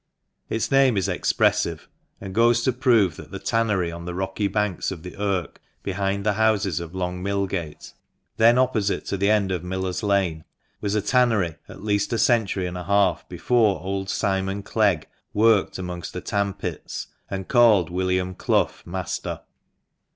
Its name is expressive, and goes to prove that the tannery on the rocky banks of the Irk, behind the houses of Long Millgate, then opposite to the end of Miller's Lane, was a tannery at least a century and a half before old Simon Clegg worked amongst the tan pits, and called William Clough master.